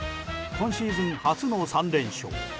今シーズン、初の３連勝。